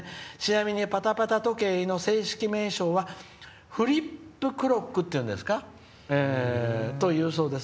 ちなみにパタパタ時計の正式名称はフリップクロックというそうです。